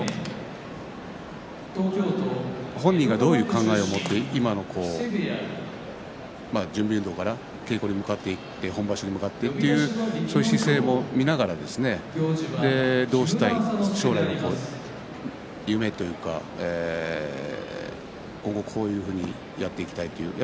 本人がどういう考えを持って今の準備運動から稽古本場所に向かっていくのかそういう姿勢を飲みながらどうしたい、将来の夢というか今後こういうふうにやっていきたいというね